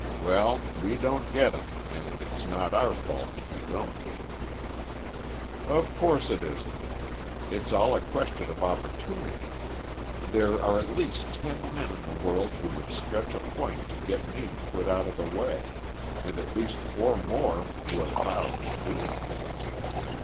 "Well, we don't get 'em, and it's not our fault if we don't." "Of course it isn't. It's all a question of opportunity. There are at least ten men in the world who would stretch a point to get me put out of the way, and at least four more who are vowed to do it.